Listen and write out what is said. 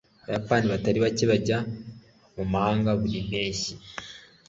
abayapani batari bake bajya mu mahanga buri mpeshyi